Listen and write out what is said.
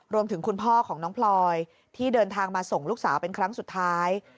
คุณพ่อของน้องพลอยที่เดินทางมาส่งลูกสาวเป็นครั้งสุดท้าย